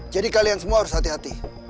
jadi kalian semua harus hati hati